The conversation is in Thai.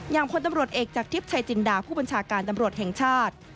พลตำรวจเอกจากทิพย์ชายจินดาผู้บัญชาการตำรวจแห่งชาติ